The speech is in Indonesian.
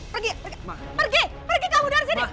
pergi pergi pergi kamu dari sini